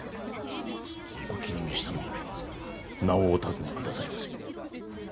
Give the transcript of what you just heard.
お気に召した者には名をお尋ね下さいませ。